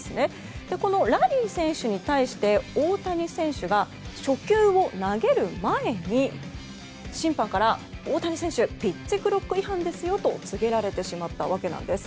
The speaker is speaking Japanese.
このラリー選手に対して大谷選手が初球を投げる前に、審判から大谷選手ピッチクロック違反ですよと告げられてしまったわけです。